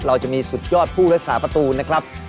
เราจะมีสุดยอดผู้รักษาประตูนะครับ